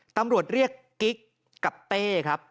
ตำรวจเรียกกิ๊กกับเต้ครับ